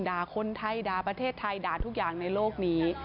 ด่าคนไทยด่าประเทศไทยด่าทุกอย่างในโลกนี้